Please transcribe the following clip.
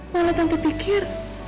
malah tante pikir